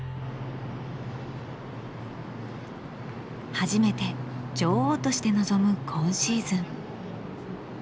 初めて女王として臨む今シーズン。